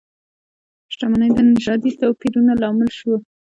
شتمنۍ د نژادي توپیرونو لامل شوه.